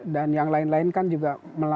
dan yang lain lain kan juga